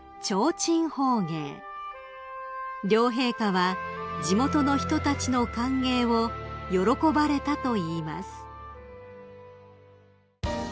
［両陛下は地元の人たちの歓迎を喜ばれたといいます］